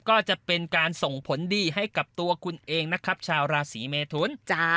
ก็จะเป็นการส่งผลดีให้กับตัวคุณเองนะครับชาวราศีเมทุน